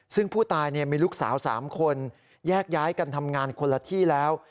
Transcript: ซึ่งผู้ตายมีลูกสาว๓คนแยกย้ายกันทำงานคนละที่แล้ว